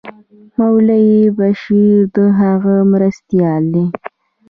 مولوي بشیر د هغه مرستیال دی.